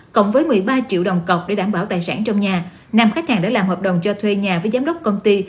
cộng với một mươi ba triệu đồng cọc để đảm bảo tài sản trong nhà nam khách hàng đã làm hợp đồng cho thuê nhà với giám đốc công ty